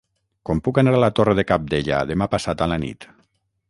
Com puc anar a la Torre de Cabdella demà passat a la nit?